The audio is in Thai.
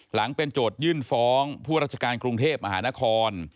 หลังเป็นโจทยื่นฟ้องผู้ราชการกรุงเทพมหานคร